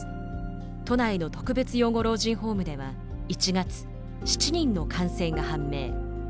都内の特別養護老人ホームでは１月７人の感染が判明。